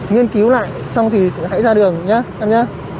nghiên cứu lại xong thì hãy ra đường nhé em nhé